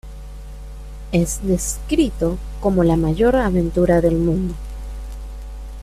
Es descrito como la "mayor aventura del mundo".